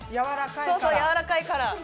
そうそう、やわらかいから。